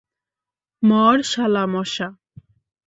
মর, শালা মশা।